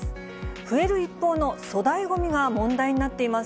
増える一方の粗大ごみが問題になっています。